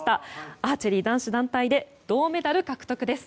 アーチェリー男子団体で銅メダル獲得です。